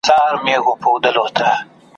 جهاني به کله یاد سي په نغمو کي په غزلو ,